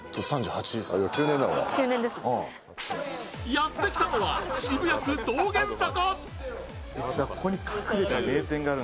やって来たのは渋谷区道玄坂。